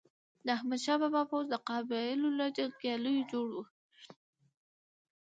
د احمد شاه بابا پوځ د قبایلو له جنګیالیو جوړ و.